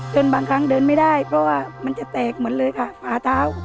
บางครั้งเดินไม่ได้เพราะว่ามันจะแตกหมดเลยค่ะฝาเท้า